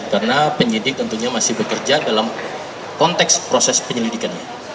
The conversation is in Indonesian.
karena penyidik tentunya masih bekerja dalam konteks proses penyelidikannya